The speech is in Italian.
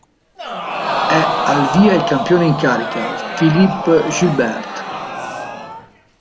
È al via il campione in carica Philippe Gilbert.